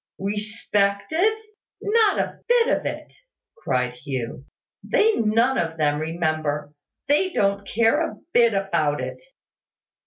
"Respected?" "Not a bit of it!" cried Hugh. "They none of them remember: they don't care a bit about it."